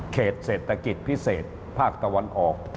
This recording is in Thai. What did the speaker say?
เขตเศรษฐกิจพิเศษภาคตะวันออก